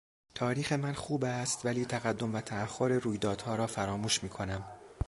تاریخ من خوب است ولی تقدم و تاخر رویدادها را فراموش میکنم.